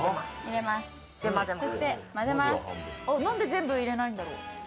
何で全部入れないんだろう？